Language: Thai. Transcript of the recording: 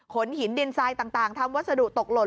หินดินทรายต่างทำวัสดุตกหล่น